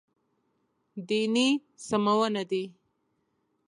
دیني سمونه دی.